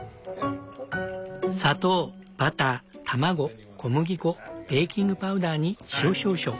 砂糖バター卵小麦粉ベーキングパウダーに塩少々。